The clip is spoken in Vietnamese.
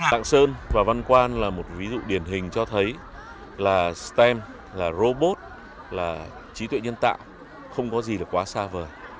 tạng sơn và văn quan là một ví dụ điển hình cho thấy là stem là robot là trí tuệ nhân tạo không có gì là quá xa vời